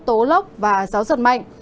tố lốc và gió giật mạnh